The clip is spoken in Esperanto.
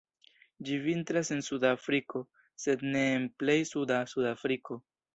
Ĝi vintras en Suda Afriko, sed ne en plej suda Sudafriko.